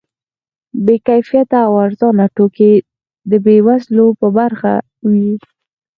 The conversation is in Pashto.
بې کیفیته او ارزانه توکي د بې وزلو په برخه وي.